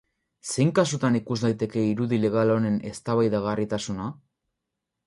Zein kasutan ikus daiteke irudi legal honen eztabaidagarritasuna?